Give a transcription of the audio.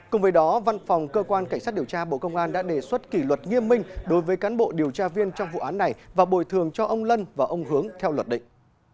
cùng với đó văn phòng cơ quan cảnh sát điều tra bộ công an đã đề xuất kỷ luật nghiêm minh đối với cán bộ điều tra viên trong vụ án này và bồi thường cho ông lân và ông hướng theo luật định